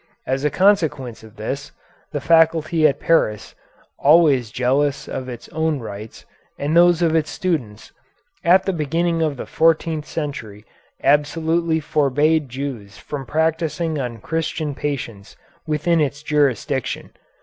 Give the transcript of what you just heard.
As a consequence of this, the faculty at Paris, always jealous of its own rights and those of its students, at the beginning of the fourteenth century absolutely forbade Jews from practising on Christian patients within its jurisdiction.